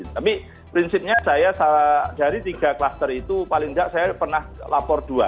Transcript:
tapi prinsipnya saya dari tiga kluster itu paling tidak saya pernah lapor dua